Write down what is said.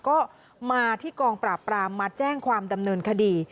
ก็มาที่กองปราบปรามมาแจ้งความดำเนินคดี